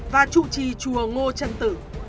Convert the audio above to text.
và chủ trì chùa ngô trân tử